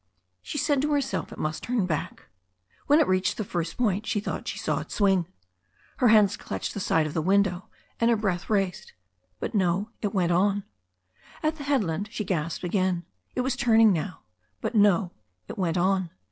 She said to herself it must turn back. When it reached the first point she thought she saw it swing. Her hands clutched the side of the window, and her breath raced. But no, it went on. At the next head land she gasped again. It was turning now. But no, it went on.